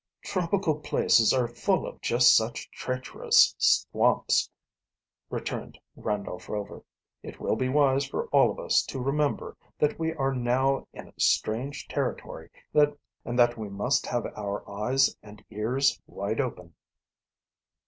"Tropical places are all full of just such treacherous swamps," returned Randolph Rover. "It will be wise for all of us to remember that we are now in a strange territory and that we must have our eyes and ears wide open."